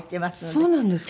そうなんですか？